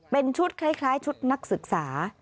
เป็นชุดคล้ายชุดนักศึกษา